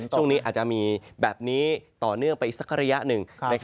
ช่วงนี้อาจจะมีแบบนี้ต่อเนื่องไปอีกสักระยะหนึ่ง